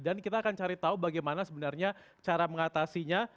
dan kita akan cari tahu bagaimana sebenarnya cara mengatasinya